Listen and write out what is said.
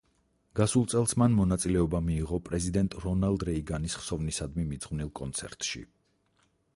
გასულ წელს, მან მონაწილეობა მიიღო პრეზიდენტ რონალდ რეიგანის ხსოვნისადმი მიძღვნილ კონცერტში.